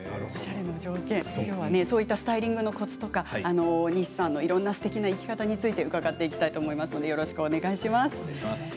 きょうは、そういったスタイリングのコツとか西さんのいろんなすてきな生き方について伺っていきたいと思いますのでよろしくお願いします。